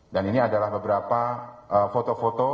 dan ini adalah beberapa foto